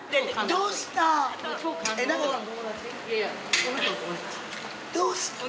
どうしたん？